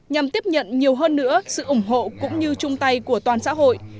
nhằm tiếp nhận nhiều hơn nữa sự ủng hộ cũng như chung tay của toàn xã hội